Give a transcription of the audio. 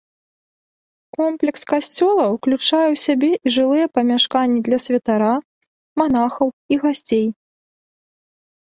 Комплекс касцёла ўключае ў сябе і жылыя памяшканні для святара, манахаў і гасцей.